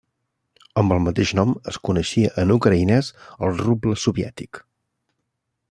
Amb el mateix nom es coneixia en ucraïnès el ruble soviètic.